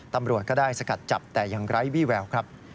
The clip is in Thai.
ตำรวจก็ได้สกัดจับแต่ยังไร้วี่แววครับ